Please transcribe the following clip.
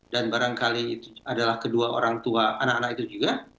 dan barangkali itu adalah kedua orang tua anak anak itu juga